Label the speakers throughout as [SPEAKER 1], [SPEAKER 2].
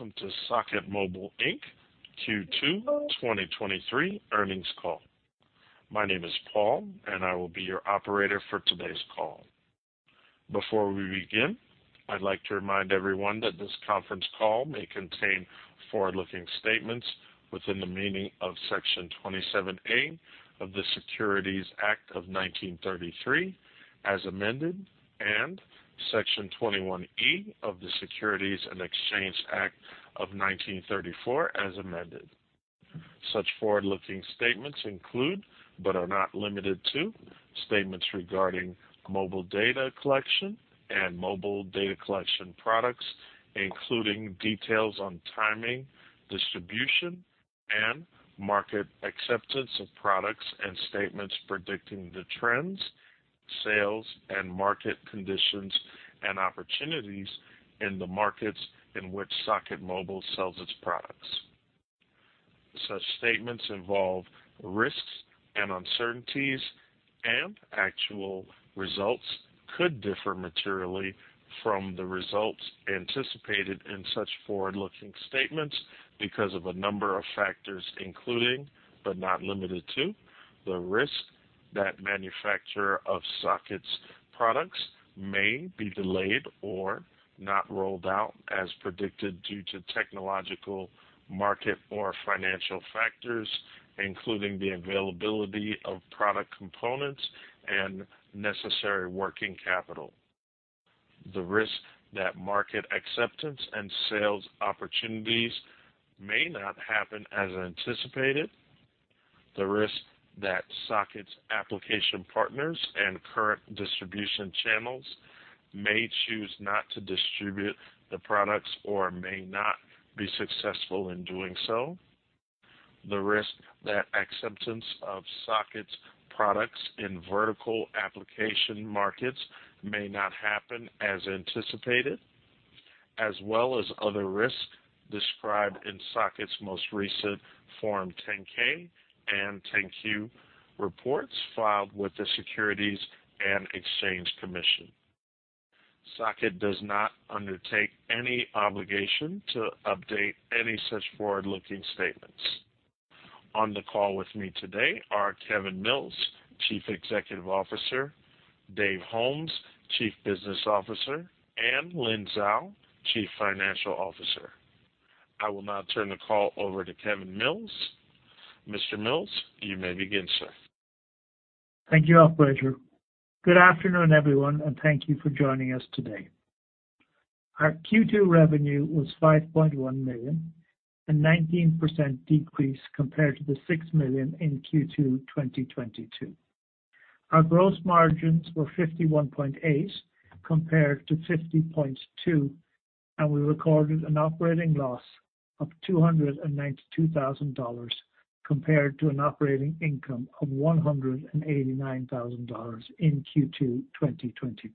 [SPEAKER 1] Welcome to Socket Mobile Inc. Q2 2023 earnings call. My name is Paul, and I will be your operator for today's call. Before we begin, I'd like to remind everyone that this conference call may contain forward-looking statements within the meaning of Section 27A of the Securities Act of 1933, as amended, and Section 21E of the Securities Exchange Act of 1934, as amended. Such forward-looking statements include, but are not limited to, statements regarding mobile data collection and mobile data collection products, including details on timing, distribution, and market acceptance of products, and statements predicting the trends, sales, and market conditions and opportunities in the markets in which Socket Mobile sells its products. Such statements involve risks and uncertainties, actual results could differ materially from the results anticipated in such forward-looking statements because of a number of factors, including, but not limited to, the risk that manufacturer of Socket's products may be delayed or not rolled out as predicted due to technological, market, or financial factors, including the availability of product components and necessary working capital. The risk that market acceptance and sales opportunities may not happen as anticipated, the risk that Socket's application partners and current distribution channels may choose not to distribute the products or may not be successful in doing so, the risk that acceptance of Socket's products in vertical application markets may not happen as anticipated, as well as other risks described in Socket's most recent Form 10-K and 10-Q reports filed with the Securities and Exchange Commission. Socket does not undertake any obligation to update any such forward-looking statements. On the call with me today are Kevin Mills, Chief Executive Officer, Dave Holmes, Chief Business Officer, and Lynn Zhao, Chief Financial Officer. I will now turn the call over to Kevin Mills. Mr. Mills, you may begin, sir.
[SPEAKER 2] Thank you, operator. Good afternoon, everyone, and thank you for joining us today. Our Q2 revenue was $5.1 million, a 19% decrease compared to the $6 million in Q2 2022. Our gross margins were 51.8%, compared to 50.2%, and we recorded an operating loss of $292,000, compared to an operating income of $189,000 in Q2 2022.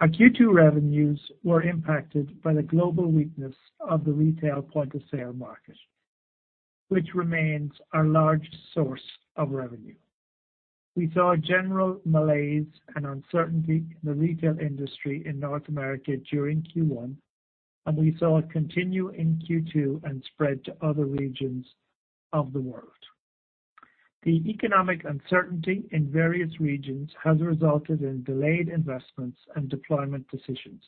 [SPEAKER 2] Our Q2 revenues were impacted by the global weakness of the retail point-of-sale market, which remains our largest source of revenue. We saw a general malaise and uncertainty in the retail industry in North America during Q1, and we saw it continue in Q2 and spread to other regions of the world. The economic uncertainty in various regions has resulted in delayed investments and deployment decisions,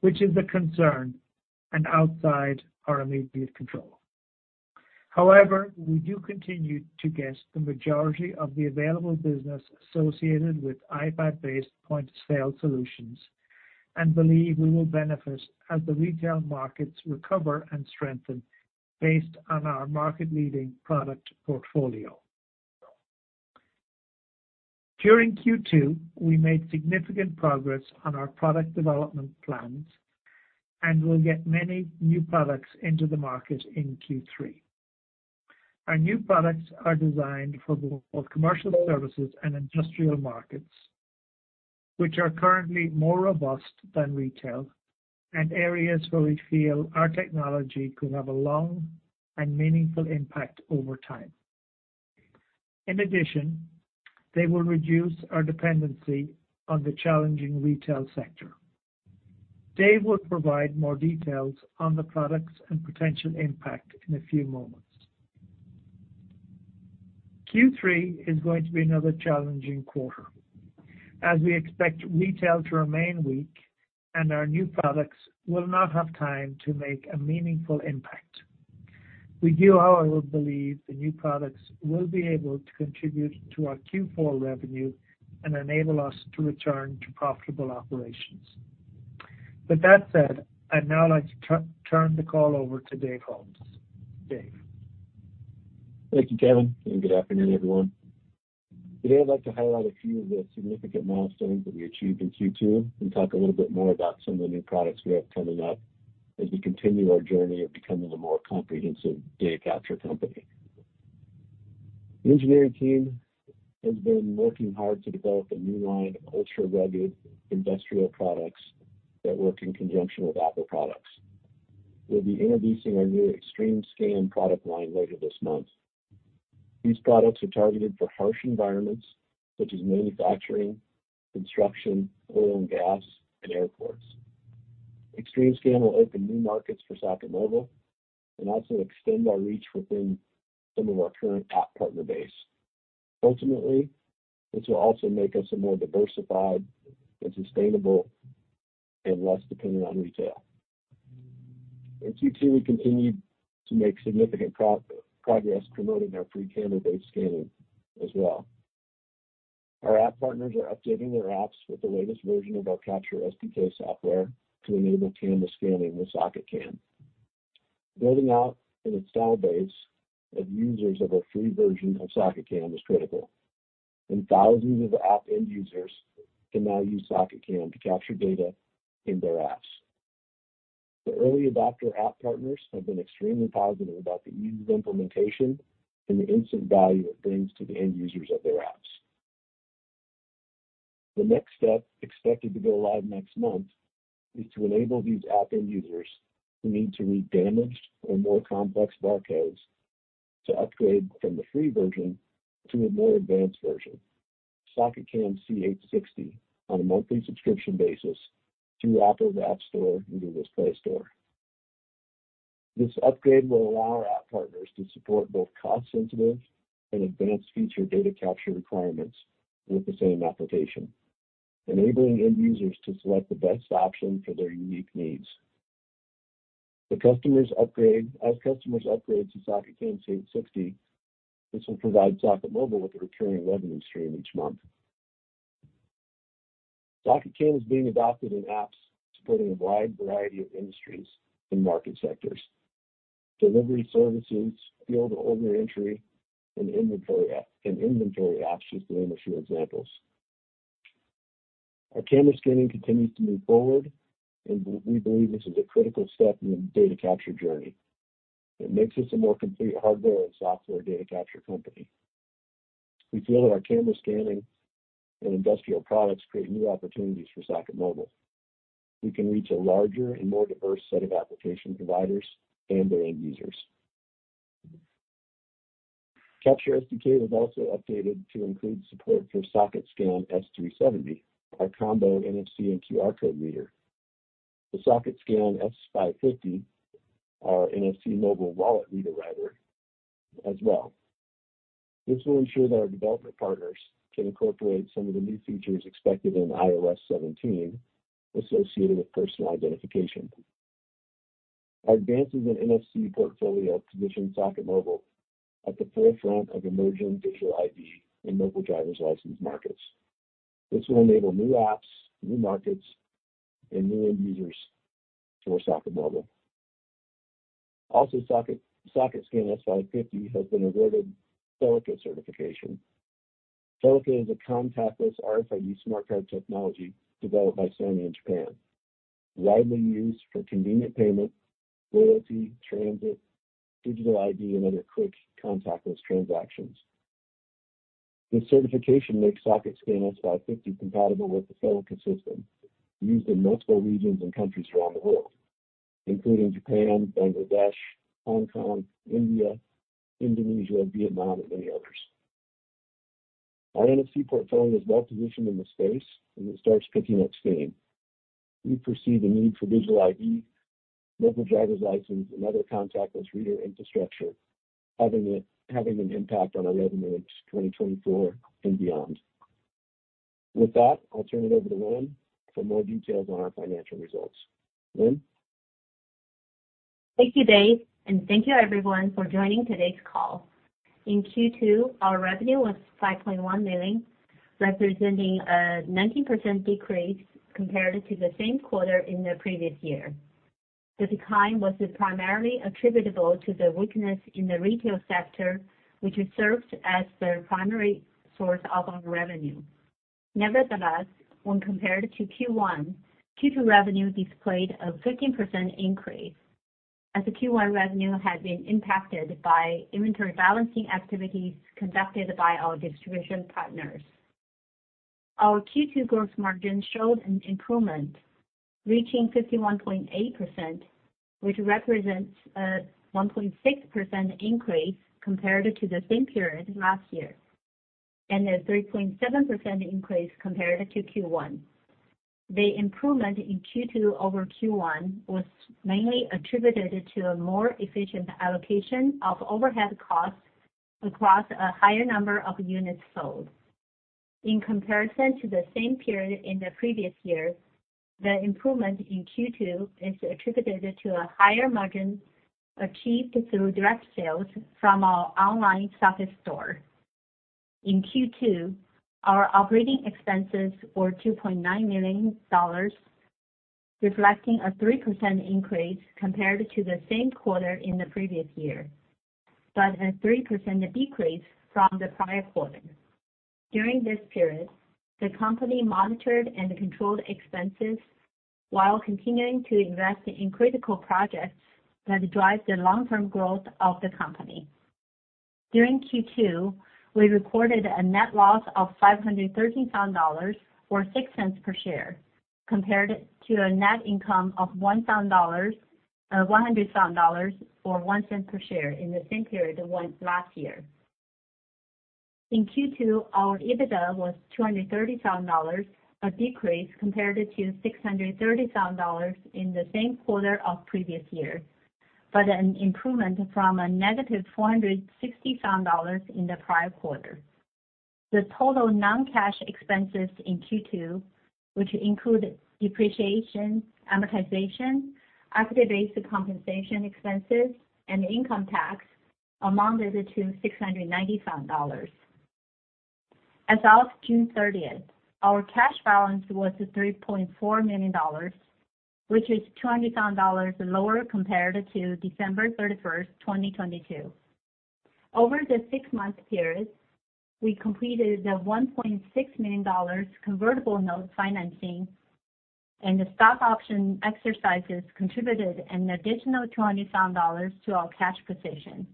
[SPEAKER 2] which is a concern and outside our immediate control. We do continue to get the majority of the available business associated with iPad-based point-of-sale solutions and believe we will benefit as the retail markets recover and strengthen based on our market-leading product portfolio. During Q2, we made significant progress on our product development plans and will get many new products into the market in Q3. Our new products are designed for both commercial services and industrial markets, which are currently more robust than retail, and areas where we feel our technology could have a long and meaningful impact over time. In addition, they will reduce our dependency on the challenging retail sector. Dave will provide more details on the products and potential impact in a few moments. Q3 is going to be another challenging quarter as we expect retail to remain weak and our new products will not have time to make a meaningful impact. We do, however, believe the new products will be able to contribute to our Q4 revenue and enable us to return to profitable operations. With that said, I'd now like to turn, turn the call over to Dave Holmes. Dave?
[SPEAKER 3] Thank you, Kevin, and good afternoon, everyone. Today, I'd like to highlight a few of the significant milestones that we achieved in Q2 and talk a little bit more about some of the new products we have coming up as we continue our journey of becoming a more comprehensive data capture company. The engineering team has been working hard to develop a new line of ultra-rugged industrial products that work in conjunction with Apple products. We'll be introducing our new XtremeScan product line later this month. These products are targeted for harsh environments, such as manufacturing, construction, oil and gas, and airports. XtremeScan will open new markets for Socket Mobile and also extend our reach within some of our current app partner base. Ultimately, this will also make us a more diversified and sustainable, and less dependent on retail. In Q2, we continued to make significant progress promoting our free camera-based scanning as well. Our app partners are updating their apps with the latest version of our CaptureSDK software to enable camera scanning with SocketCam. Building out an install base of users of our free version of SocketCam is critical, and thousands of app end users can now use SocketCam to capture data in their apps. The early adopter app partners have been extremely positive about the ease of implementation and the instant value it brings to the end users of their apps. The next step, expected to go live next month, is to enable these app end users who need to read damaged or more complex barcodes to upgrade from the free version to a more advanced version, SocketCam C860, on a monthly subscription basis through Apple's App Store and Google Play Store. This upgrade will allow our app partners to support both cost-sensitive and advanced feature data capture requirements with the same application, enabling end users to select the best option for their unique needs. As customers upgrade to SocketCam C860, this will provide Socket Mobile with a recurring revenue stream each month. SocketCam is being adopted in apps supporting a wide variety of industries and market sectors, delivery services, field order entry, and inventory apps, just to name a few examples. Our camera scanning continues to move forward. We believe this is a critical step in the data capture journey. It makes us a more complete hardware and software data capture company. We feel that our camera scanning and industrial products create new opportunities for Socket Mobile. We can reach a larger and more diverse set of application providers and their end users. CaptureSDK was also updated to include support for SocketScan S370, our combo NFC and QR code reader. The SocketScan S550, our NFC mobile wallet reader writer as well. This will ensure that our development partners can incorporate some of the new features expected in iOS 17, associated with personal identification. Our advances in NFC portfolio position Socket Mobile at the forefront of emerging digital ID and mobile driver's license markets. This will enable new apps, new markets, and new end users for Socket Mobile. Also, SocketScan S550 has been awarded FeliCa certification. FeliCa is a contactless RFID smart card technology developed by Sony in Japan, widely used for convenient payment, loyalty, transit, digital ID, and other quick contactless transactions. This certification makes SocketScan S550 compatible with the FeliCa system, used in multiple regions and countries around the world, including Japan, Bangladesh, Hong Kong, India, Indonesia, Vietnam, and many others. Our NFC portfolio is well-positioned in the space, it starts picking up steam. We foresee the need for digital ID, mobile driver's license, and other contactless reader infrastructure, having an impact on our revenue in 2024 and beyond. With that, I'll turn it over to Lynn for more details on our financial results. Lynn?
[SPEAKER 4] Thank you, Dave. Thank you everyone for joining today's call. In Q2, our revenue was $5.1 million, representing a 19% decrease compared to the same quarter in the previous year. The decline was primarily attributable to the weakness in the retail sector, which has served as the primary source of our revenue. Nevertheless, when compared to Q1, Q2 revenue displayed a 15% increase, as the Q1 revenue had been impacted by inventory balancing activities conducted by our distribution partners. Our Q2 gross margin showed an improvement, reaching 51.8%, which represents a 1.6% increase compared to the same period last year, and a 3.7% increase compared to Q1. The improvement in Q2 over Q1 was mainly attributed to a more efficient allocation of overhead costs across a higher number of units sold. In comparison to the same period in the previous year, the improvement in Q2 is attributed to a higher margin achieved through direct sales from our online Socket Store. In Q2, our operating expenses were $2.9 million, reflecting a 3% increase compared to the same quarter in the previous year, but a 3% decrease from the prior quarter. During this period, the company monitored and controlled expenses while continuing to invest in critical projects that drive the long-term growth of the company. During Q2, we recorded a net loss of $513,000 or $0.06 per share, compared to a net income of $100,000, or $0.01 per share in the same period when last year. In Q2, our EBITDA was $230,000, a decrease compared to $630,000 in the same quarter of previous year, but an improvement from -$460,000 in the prior quarter. The total non-cash expenses in Q2, which include depreciation, amortization, equity-based compensation expenses, and income tax, amounted to $690,000. As of June 30th, our cash balance was $3.4 million, which is $200,000 lower compared to December 31st, 2022. Over the six-month period, we completed the $1.6 million convertible note financing, and the stock option exercises contributed an additional $200,000 to our cash position.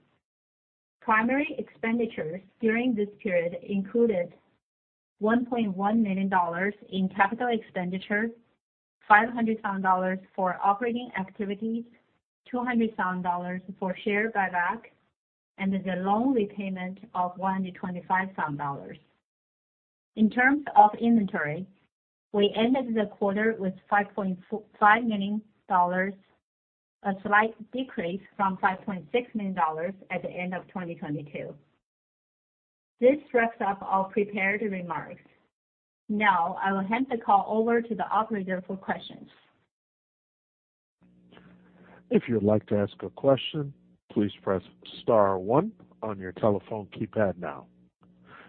[SPEAKER 4] Primary expenditures during this period included $1.1 million in capital expenditures, $500,000 for operating activities, $200,000 for share buyback, and the loan repayment of $125,000. In terms of inventory, we ended the quarter with $5.5 million, a slight decrease from $5.6 million at the end of 2022. This wraps up all prepared remarks. Now, I will hand the call over to the operator for questions.
[SPEAKER 1] If you'd like to ask a question, please press star one on your telephone keypad now.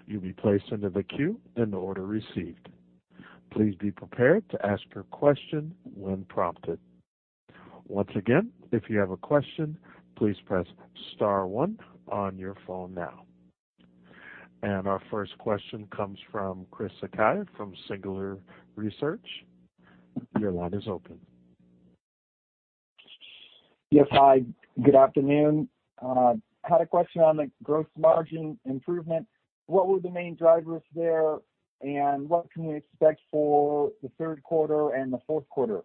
[SPEAKER 1] You'll be placed into the queue in the order received. Please be prepared to ask your question when prompted. Once again, if you have a question, please press star one on your phone now. Our first question comes from Chris Sakai from Singular Research. Your line is open.
[SPEAKER 5] Yes, hi. Good afternoon. Had a question on the gross margin improvement. What were the main drivers there, and what can we expect for the third quarter and the fourth quarter?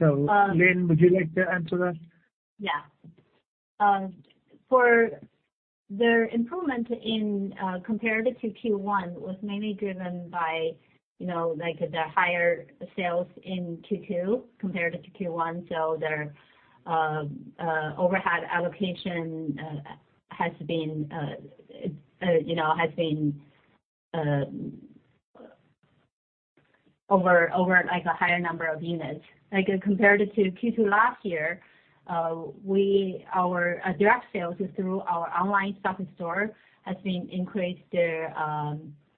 [SPEAKER 2] Lynn, would you like to answer that?
[SPEAKER 4] Yeah. For the improvement in, compared to Q1, was mainly driven by, you know, like, the higher sales in Q2 compared to Q1. Their overhead allocation has been, you know, has been over, over, like, a higher number of units. Like, compared to Q2 last year, our direct sales through our online shopping store has been increased,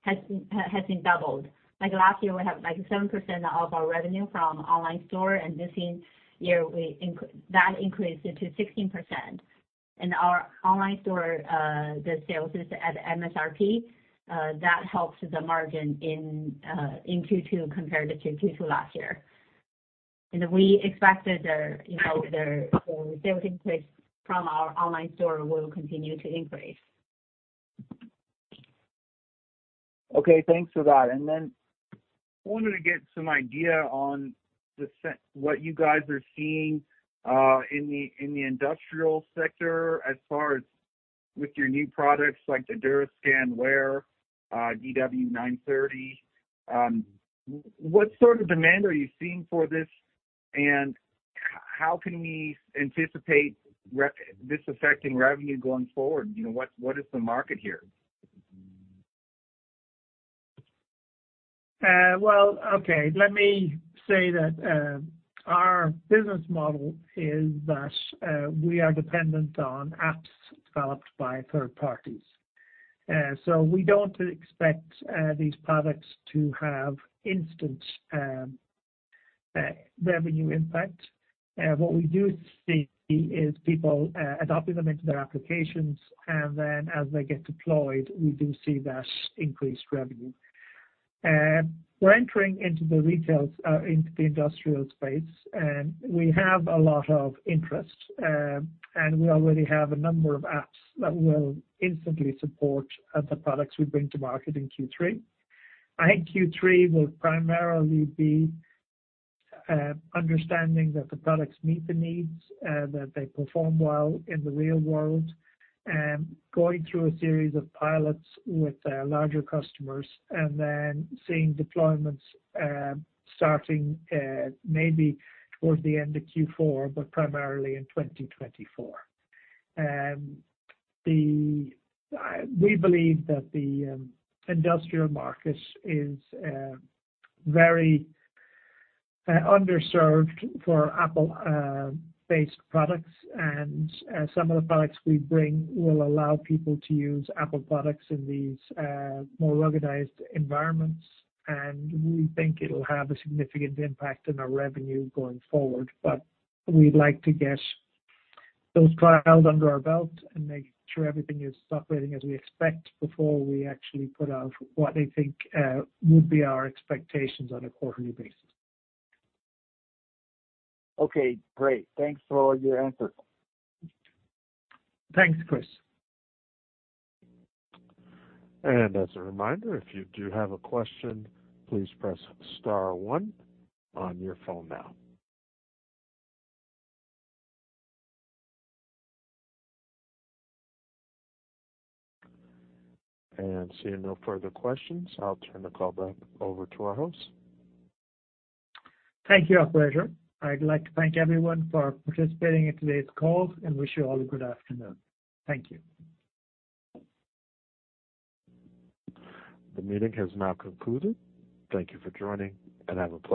[SPEAKER 4] has, has been doubled. Like, last year, we have, like, 7% of our revenue from online store, this year we that increased it to 16%. Our online store, the sales is at MSRP, that helps the margin in Q2 compared to Q2 last year. We expected the, you know, the, the sales increase from our online store will continue to increase.
[SPEAKER 5] Okay, thanks for that. I wanted to get some idea on what you guys are seeing in the industrial sector as far as with your new products like the DuraScan Wear, DW930. What sort of demand are you seeing for this, and how can we anticipate this affecting revenue going forward? You know, what, what is the market here?
[SPEAKER 2] Well, okay, let me say that our business model is that we are dependent on apps developed by third parties. We don't expect these products to have instant revenue impact. What we do see is people adopting them into their applications, and then as they get deployed, we do see that increased revenue. We're entering into the retails, into the industrial space, and we have a lot of interest, we already have a number of apps that will instantly support the products we bring to market in Q3. I think Q3 will primarily be understanding that the products meet the needs, that they perform well in the real world, going through a series of pilots with larger customers, and then seeing deployments starting maybe towards the end of Q4, but primarily in 2024. We believe that the industrial markets is very underserved for Apple based products, and some of the products we bring will allow people to use Apple products in these more organized environments, and we think it'll have a significant impact on our revenue going forward. We'd like to get those trials under our belt and make sure everything is operating as we expect before we actually put out what I think would be our expectations on a quarterly basis.
[SPEAKER 5] Okay, great. Thanks for all your answers.
[SPEAKER 2] Thanks, Chris.
[SPEAKER 1] As a reminder, if you do have a question, please press star one on your phone now. Seeing no further questions, I'll turn the call back over to our host.
[SPEAKER 2] Thank you. Our pleasure. I'd like to thank everyone for participating in today's call and wish you all a good afternoon. Thank you.
[SPEAKER 1] The meeting has now concluded. Thank you for joining, and have a pleasant day.